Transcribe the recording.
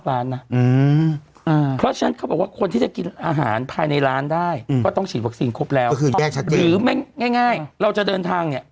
อาหารภายในร้านได้ก็ต้องฉีดวัคซีนครบแล้วหรือแม่ง่ายเราจะเดินทางเนี่ย